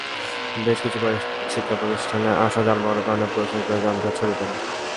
বেশ কিছু শিক্ষাপ্রতিষ্ঠানে আসা যানবাহনের কারণে পুরো সেক্টরে যানজট ছড়িয়ে পড়ে।